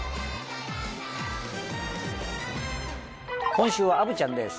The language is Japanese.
今週は虻ちゃんです。